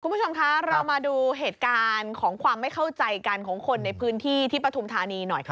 คุณผู้ชมคะเรามาดูเหตุการณ์ของความไม่เข้าใจกันของคนในพื้นที่ที่ปฐุมธานีหน่อยค่ะ